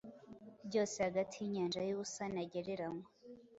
byose hagati yinyanja yubusa ntagereranywa.